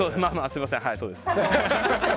すみません、そうです。